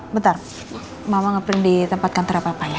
bentar mama nge print di tempat kantor apa apa ya